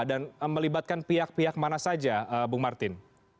dan melibatkan pihak pihak mana saja bung martin